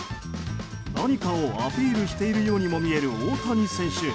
何かをアピールしているようにも見える大谷選手。